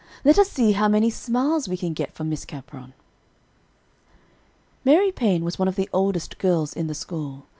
Let us see how many smiles we can get from Miss Capron." Mary Paine was one of the oldest girls in the school.